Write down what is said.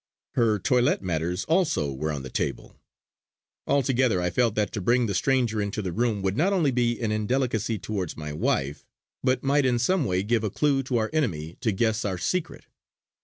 Her toilet matters also were on the table. Altogether I felt that to bring the stranger into the room would not only be an indelicacy towards my wife, but might in some way give a clue to our enemy to guess our secret.